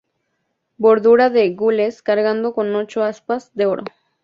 Bordura de gules cargado con ocho aspas de oro.